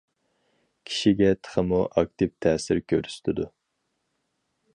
كىشىگە تېخىمۇ ئاكتىپ تەسىر كۆرسىتىدۇ.